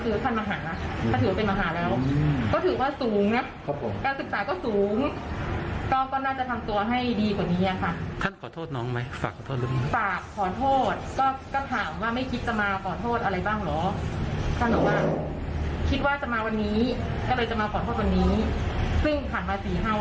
ซึ่งผ่านมาสี่ห้าวันแล้วเพิ่งจะคิดได้ว่ามาขอโทษมันก็นะ